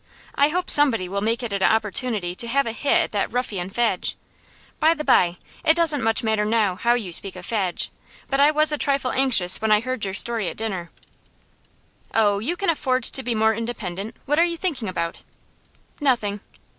I hope somebody will make it an opportunity to have a hit at that ruffian Fadge. By the by, it doesn't much matter now how you speak of Fadge; but I was a trifle anxious when I heard your story at dinner.' 'Oh, you can afford to be more independent. What are you thinking about?' 'Nothing.